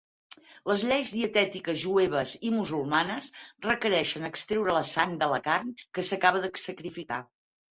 Les lleis dietètiques jueves i musulmanes requereixen extreure la sang de la carn que s'acaba de sacrificar.